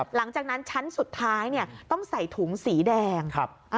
หลังจากนั้นชั้นสุดท้ายต้องใส่ถุงสีแดง